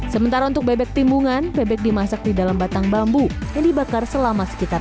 sementara untuk bebek timbungan bebek dimasak di dalam batang bambu yang dibakar selama sekitar